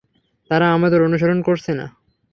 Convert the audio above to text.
তারা আমাদের অনুসরণ করছে না!